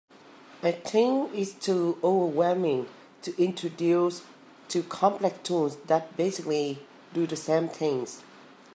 I think it’s too overwhelming to introduce two complex tools that basically do the same things.